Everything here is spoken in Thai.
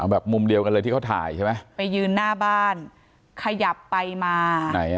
แบบมุมเดียวกันเลยที่กำคัญจะช้ายนะไปยื้อหน้าบ้านขยับไปมา